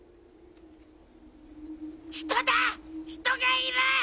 人がいる！